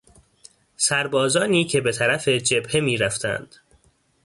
سربازانی که به طرف جبهه میرفتند